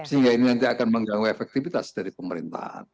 sehingga ini nanti akan mengganggu efektivitas dari pemerintahan